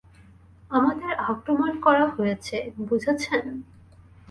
আমাদের আক্রমণ করা হয়েছে, বুঝেছেন?